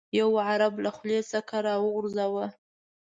یو عرب له خولې څخه راوغورځاوه.